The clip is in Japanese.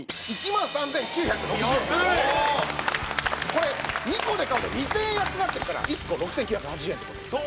これ２個で買うと２０００円安くなってるから１個６９８０円って事です。